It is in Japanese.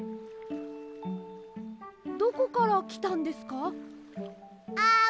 どこからきたんですか？